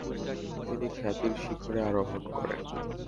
তিনি খ্যাতির শিখরে আরোহণ করেন।